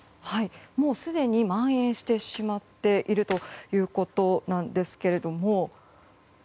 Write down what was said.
もうすでにまん延してしまっているということなんですけれども。